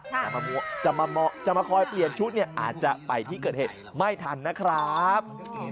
แต่จะมาคอยเปลี่ยนชุดเนี่ยอาจจะไปที่เกิดเหตุไม่ทันนะครับ